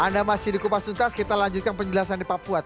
anda masih di kupas tuntas kita lanjutkan penjelasan di papua